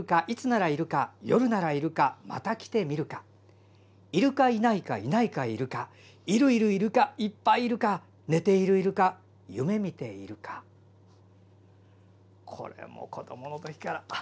いつならいるかよるならいるかまたきてみてみるかいるかいないかいないかいるかいるいるいるかいっぱいいるかねているいるかゆめみているかこれも子どものときから。